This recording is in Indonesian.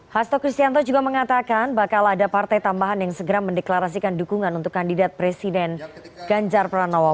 hasto kristianto juga mengatakan bakal ada partai tambahan yang segera mendeklarasikan dukungan untuk kandidat presiden ganjar pranowo